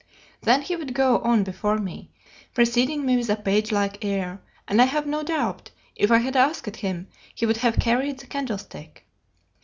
Then he would go on before me, preceding me with a page like air, and I have no doubt, if I had asked him, he would have carried the candlestick.